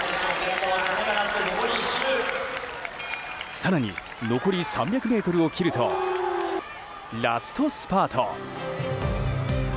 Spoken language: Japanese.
更に、残り３００ｍを切るとラストスパート。